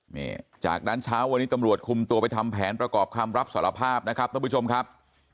นี่จากนั้นเช้าวันนี้ตำรวจคุมตัวไปทำแผนประกอบคำรับสารภาพนะครับท่านผู้ชมครับ